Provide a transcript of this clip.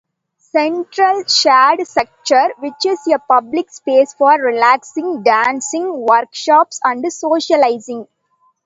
Central shade structure which is a public space for relaxing, dancing, workshops and socializing.